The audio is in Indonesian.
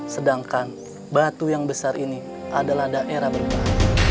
sedangkan batu yang besar ini adalah daerah berbahaya